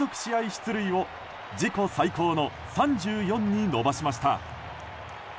出塁を自己最高の３４に伸ばしました。